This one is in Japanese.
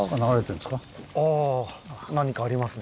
あぁ何かありますね。